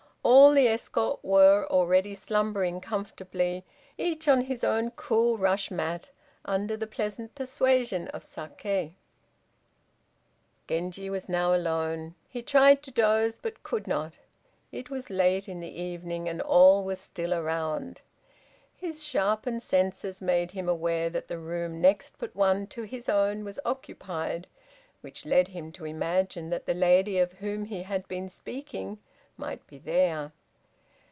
All the escort were already slumbering comfortably, each on his own cool rush mat, under the pleasant persuasion of saké. Genji was now alone. He tried to doze, but could not. It was late in the evening, and all was still around. His sharpened senses made him aware that the room next but one to his own was occupied, which led him to imagine that the lady of whom he had been speaking might be there.